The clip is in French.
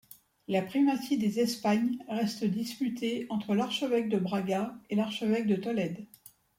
La primatie des Espagnes reste disputée entre l'archevêque de Braga et l'archevêque de Tolède.